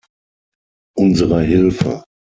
Unsere Hilfe.